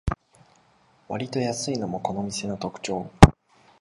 わりと安いのもこの店の特長